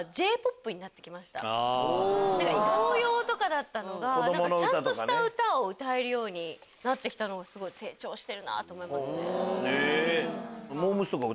童謡とかだったのがちゃんとした歌を歌えるようになってきたのが成長してるなぁと思いますね。